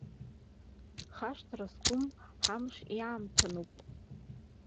Хашҭра зқәым ҳамш иамҭануп.